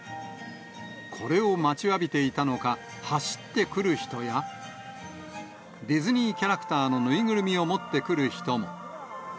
これを待ちわびていたのか、走ってくる人や、ディズニーキャラクターの縫いぐるみを持ってくる人も。